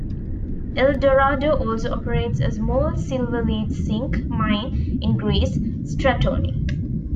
Eldorado also operates a small silver-lead-zinc mine in Greece: Stratoni.